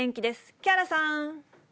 木原さん。